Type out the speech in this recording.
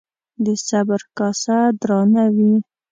د صبر کاسه درانه وي